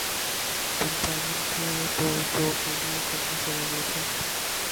تم پاگل تھے جو اکیلے کرنے چلے گئے تھے۔